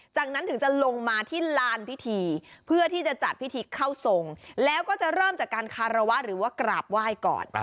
จากนั้นถึงจะลงมาที่ลานพิธีเพื่อที่จะจัดพิธีเข้าทรงแล้วก็จะเริ่มจากการคารวะหรือว่ากราบไหว้ก่อน